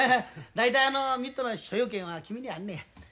大体あのミットの所有権は君にあんねや。